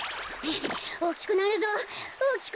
おおきくなるぞおおきく。